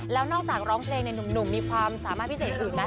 แล้วนอกจากร้องเพลงในหนุ่มมีความสามารถพิเศษอื่นไหม